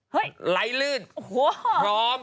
ปล่อยให้เบลล่าว่าง